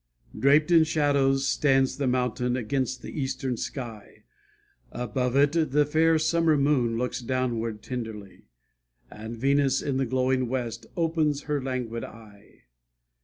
Draped in shadows stands the mountain Against the eastern sky, Above it the fair summer moon Looks downward tenderly; And Venus in the glowing west, Opens her languid eye.